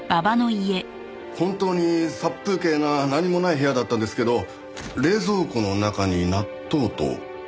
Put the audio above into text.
本当に殺風景な何もない部屋だったんですけど冷蔵庫の中に納豆と。